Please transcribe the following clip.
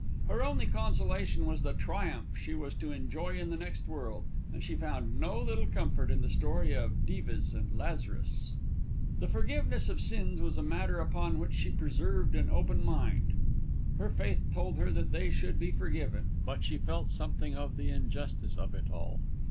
Her only consolation was the triumph she was to enjoy in the next world, and she found no little comfort in the story of Dives and Lazarus. The forgiveness of sins was a matter upon which she preserved an open mind. Her faith told her that they should be forgiven; but she felt something of the injustice of it all.